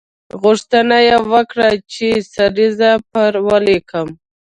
غوښتنه یې وکړه چې سریزه پر ولیکم.